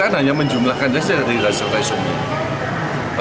nah ini kan dari resum resumnya